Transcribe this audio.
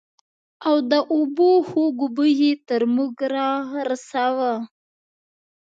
او د اوبو خوږ بوى يې تر موږ رارساوه.